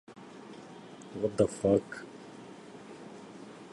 ايک يہ وصف خداداد مرے نام ميں ہے